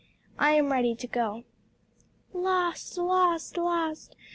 I am ready to go." "Lost, lost, lost!